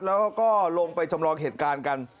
แล้วก็ลงไปจำลองเหตุการณ์กัน